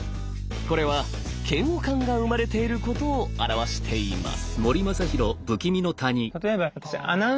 これは嫌悪感が生まれていることを表しています。